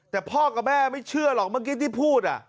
แต่พ่อกับแม่ไม่เชื่อหรอกเมื่อกี้ที่พูด